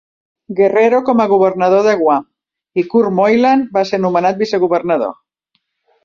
Guerrero com a governador de Guam i Kurt Moylan va ser nomenat vicegovernador.